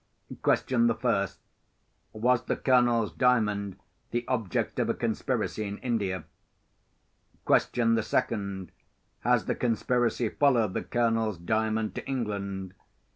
"Question the first: Was the Colonel's Diamond the object of a conspiracy in India? Question the second: Has the conspiracy followed the Colonel's Diamond to England?